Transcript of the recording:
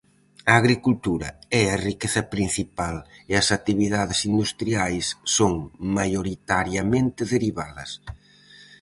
A agricultura é a riqueza principal e as actividades industriais son maioritariamente derivadas.